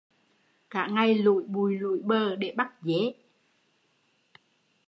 Cả ngày lủi bụi lủi bờ để bắt dế